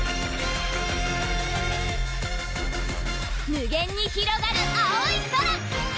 無限にひろがる青い空！